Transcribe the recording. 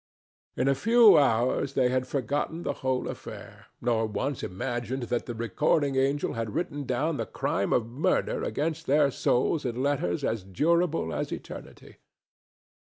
In a few hours they had forgotten the whole affair, nor once imagined that the recording angel had written down the crime of murder against their souls in letters as durable as eternity.